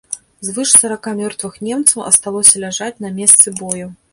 Звыш сарака мёртвых немцаў асталося ляжаць на месцы бою.